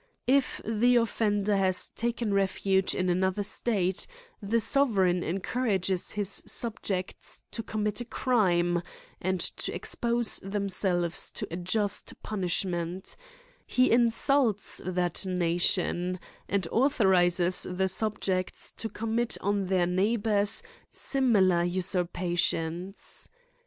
If the offender hath taken refuge in another' state, the sovereign encourage^ his subjects tocijm mit a crime, and to expose th( mselves to a just punishment ; he insults that nation, and authorises the subjects to commit on their neighbours similar usurpations.